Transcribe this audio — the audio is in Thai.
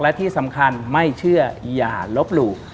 และที่สำคัญไม่เชื่ออย่าลบหลู่